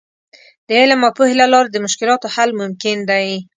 د علم او پوهې له لارې د مشکلاتو حل ممکن دی.